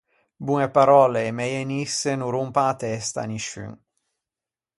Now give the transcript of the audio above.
Boñe paròlle e meie nisse no rompan a testa à nisciun.